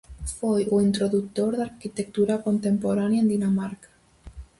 Foi o introdutor da arquitectura contemporánea en Dinamarca.